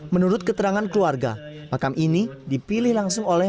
menurut keterangan keluarga makam ini dipilih langsung oleh